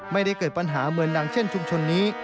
ไม่ได้เกิดปัญหาเหมือนดังเช่นชุมชนนี้